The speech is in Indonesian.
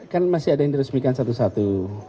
kan masih ada yang diresmikan satu satu